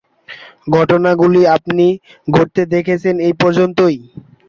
ঘটনাগুলি আপনি ঘটতে দেখেছেন এই পর্যন্তই।